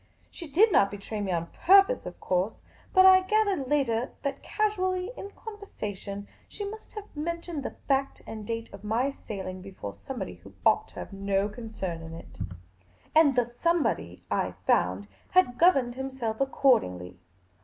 She did not betray me on purpose, of course ; but I gathered later that casually in conversation she must have mentioned the fact and date of my sailing be fore somebody who ought to have had no concern in it ; and the somebody, I found, had governed himself accordingly.